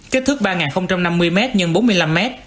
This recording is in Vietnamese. kết thúc ba năm mươi m x bốn mươi năm m